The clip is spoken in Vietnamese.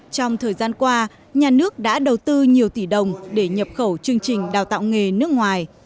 trong thời gian qua nhà nước đã đầu tư nhiều tỷ đồng để nhập khẩu chương trình đào tạo nghề nước ngoài